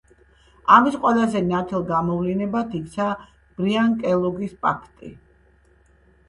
ამის ყველაზე ნათელ გამოვლინებად იქცა ბრიან–კელოგის პაქტი.